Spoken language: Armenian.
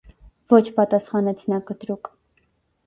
- Ոչ,- պատասխանեց նա կտրուկ: